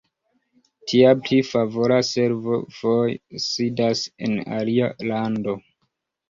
Tia pli favora servo foje sidas en alia lando.